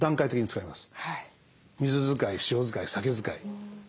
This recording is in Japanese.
水使い塩使い酒使い。